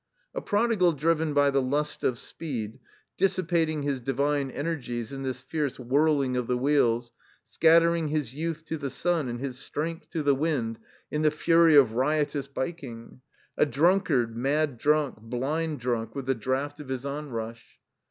A prodigal driven by the lust of speed, dissipating his divine energies in this fierce whirling of the wheels; scattering his youth to the sun and his strength to the wind in the fury of riotous "bik ing. '' A drunkard, mad drunk, blind drunk with the draught of his onrush.